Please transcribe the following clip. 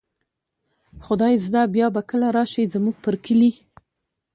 خدای زده بیا به کله را شئ، زموږ پر کلي